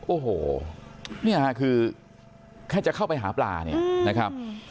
โอ้โหเนี่ยค่ะคือแค่จะเข้าไปหาปลาเนี่ยนะครับ